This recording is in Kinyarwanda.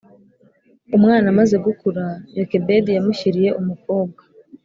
Umwana amaze gukura Yokebedi yamushyiriye umukobwa